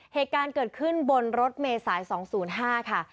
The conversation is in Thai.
เหตุการณ์เกิดขึ้นบนรถเมษาย๒๐๕ค่ะ